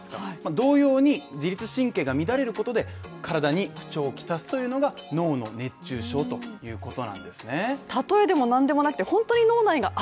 同様に、自律神経が乱れることで、体に不調をきたすというのが、脳の熱中症ということなんですね。